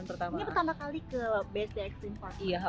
ini pertama kali ke based ekstrim park